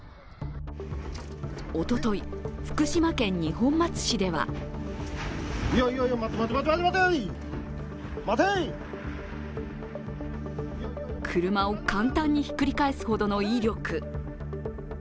おととい、福島県二本松市では車を簡単に引っくり返すほどの威力。